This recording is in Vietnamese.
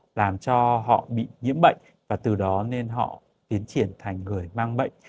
làm cho họ bị nhiễm bệnh và từ đó nên họ tiến triển thành người mang bệnh